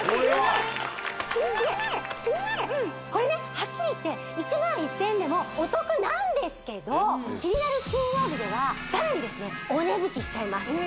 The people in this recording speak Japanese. これねはっきり言って１万１０００円でもお得なんですけど「キニナル金曜日」ではさらにですねお値引きしちゃいます